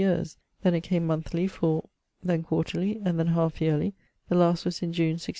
yeares; then, it came monethly for ...; then, quarterly; and then, halfe yearly; the last was in June 1642.